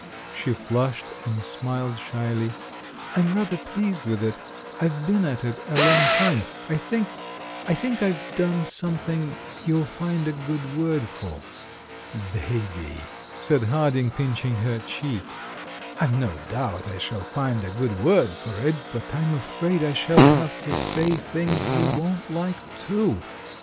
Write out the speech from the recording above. She flushed, and smiled shyly. "I'm rather pleased with it; I've been at it a long time; I 286 THE MAN WHO UNDERSTOOD WOMEN think— I think I've done something you'll find a good word for." "Baby!" said Harding, pinching her cheek; "I've no doubt I shall find a good word for it, but I'm afraid I shall have to say things you won't like, too.